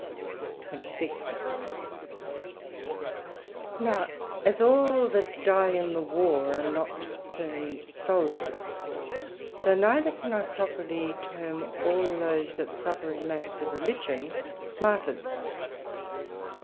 SECT.26 Now as all that dye in the War are not termed Souldiers; so neither can I properly term all those that suffer in matters of Religion, Martyrs.